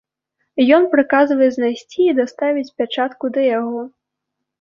Ён прыказвае знайсці і даставіць пячатку да яго.